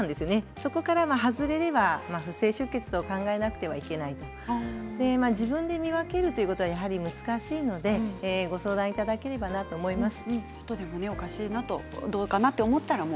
そこから外れれば不正出血と考えなくてはいけないと自分で見分けるというが難しいのでご相談いただければと思います。